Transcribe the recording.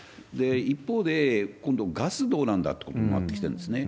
一方で、今度、ガス、どうなんだってことになってきてんですね。